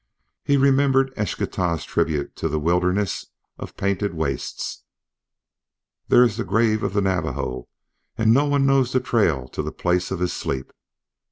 He remembered Eschtah's tribute to the wilderness of painted wastes: "There is the grave of the Navajo, and no one knows the trail to the place of his sleep!"